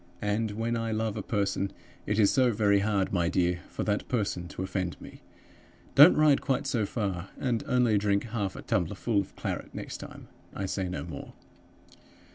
And when I love a person, it is so very hard, my dear, for that person to offend me! Don't ride quite so far, and only drink half a tumblerful of claret next time. I say no more.